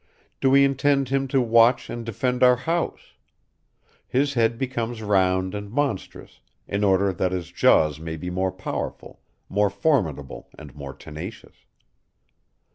Do we intend him to watch and defend our house? His head becomes round and monstrous, in order that his jaws may be more powerful, more formidable and more tenacious.